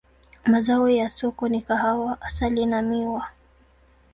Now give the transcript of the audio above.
Mazao ya soko ni kahawa, asali na miwa.